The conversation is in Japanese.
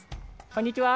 こんにちは。